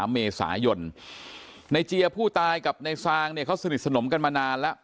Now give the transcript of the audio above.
เมษายนในเจียผู้ตายกับในซางเนี่ยเขาสนิทสนมกันมานานแล้ว